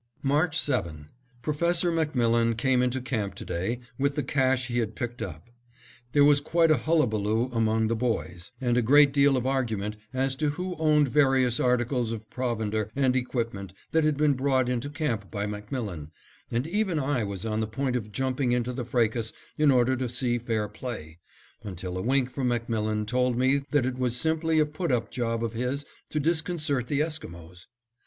March 7: Professor MacMillan came into camp to day with the cache he had picked up. There was quite a hullabaloo among the boys, and a great deal of argument as to who owned various articles of provender and equipment that had been brought into camp by MacMillan, and even I was on the point of jumping into the fracas in order to see fair play, until a wink from MacMillan told me that it was simply a put up job of his to disconcert the Esquimos.